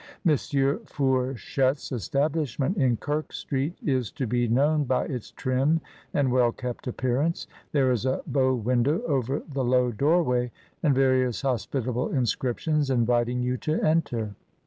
Monsieur Fourchette's establishment in Kirk Street is to be known by its trim and well kept appearance. There is a bow window over the low doorway, and various hospitable inscriptions inviting you to enter.